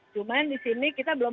cuman di sini kita belum